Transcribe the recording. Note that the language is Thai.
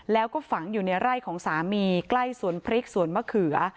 แล้วก็ฝังอยู่ในไร่ของสามีใกล้สวนพริกสวนมะเขือ